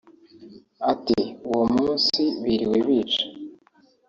Ati "Uwo munsi biriwe bica